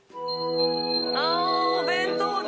お弁当だ。